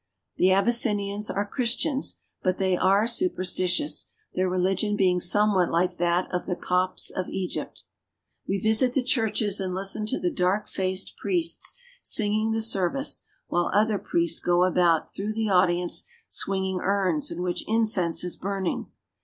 The Abyssinians are Christians; but they are supersti tious, their religion being somewhat like that of the Copts of Egypt. We visit the churches and listen to the dark faced priests singing the service while other priests go about through the audience swinging uras in which incense is burning.